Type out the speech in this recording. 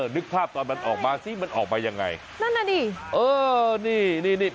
นึกภาพตอนมันออกมาสิมันออกมายังไงนั่นน่ะดิเออนี่นี่